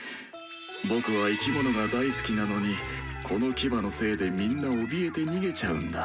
僕は生き物が大好きなのにこの牙のせいでみんなおびえて逃げちゃうんだ。